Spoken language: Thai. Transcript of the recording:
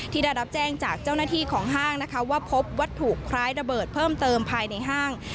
ได้รับแจ้งจากเจ้าหน้าที่ของห้างนะคะว่าพบวัตถุคล้ายระเบิดเพิ่มเติมภายในห้าง